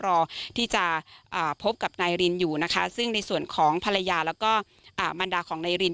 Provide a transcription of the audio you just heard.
รอที่จะพบกับนายรินอยู่นะคะซึ่งในส่วนของภรรยาแล้วก็มันดาของนายริน